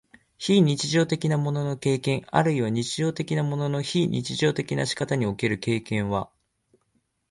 非日常的なものの経験あるいは日常的なものの非日常的な仕方における経験は、